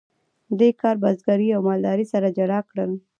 دې کار بزګري او مالداري سره جلا کړل.